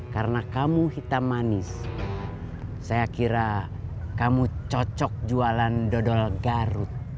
karena kamu hitam manis saya kira kamu cocok jualan dodol garut